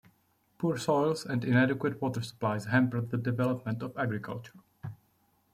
Poor soils and inadequate water supplies hampered the development of agriculture.